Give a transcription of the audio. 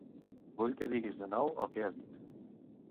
Vull que diguis de nou el que has dit.